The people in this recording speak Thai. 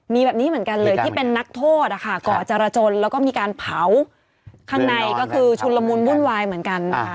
มีแบบนี้เหมือนกันเลยที่เป็นนักโทษก่อจรจนแล้วก็มีการเผาข้างในก็คือชุนละมุนวุ่นวายเหมือนกัน